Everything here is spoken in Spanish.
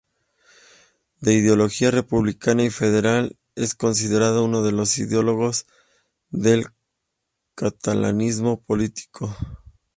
De ideología republicana y federal, es considerado uno de los ideólogos del catalanismo político.